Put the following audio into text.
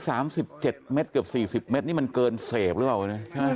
ไอ้๓๗เมตรเกือบ๔๐เมตรนี่มันเกินเสพหรือเปล่า